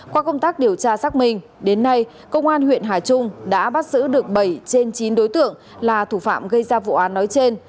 qua công tác điều tra xác minh đến nay công an huyện hà trung đã bắt giữ được bảy trên chín đối tượng là thủ phạm gây ra vụ án nói trên